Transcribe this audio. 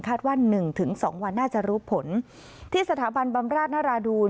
ว่าหนึ่งถึงสองวันน่าจะรู้ผลที่สถาบันบำราชนราดูน